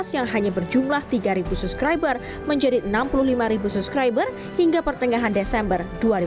yang hanya berjumlah tiga suscriber menjadi enam puluh lima subscriber hingga pertengahan desember dua ribu dua puluh